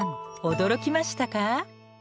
驚きましたか？